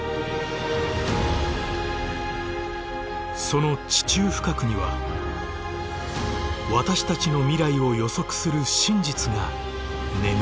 その地中深くには私たちの未来を予測する真実が眠っている。